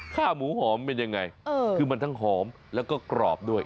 ข้าวหมูหอมเป็นยังไงคือมันทั้งหอมแล้วก็กรอบด้วย